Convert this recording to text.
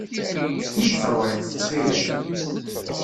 Efk-iyi-d tawriqt, ttxil-k.